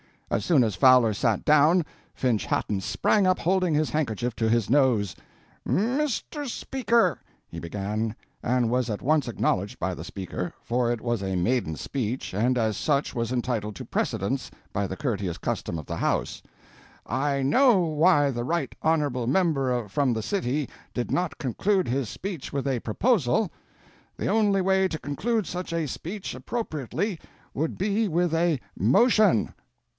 As soon as Fowler sat down Finch Hatton sprang up holding his handkerchief to his nose: "'Mr. Speaker,' he began, and was at once acknowledged by the Speaker, for it was a maiden speech, and as such was entitled to precedence by the courteous custom of the House, 'I know why the Right Honourable Member from the City did not conclude his speech with a proposal. The only way to conclude such a speech appropriately would be with a motion!'"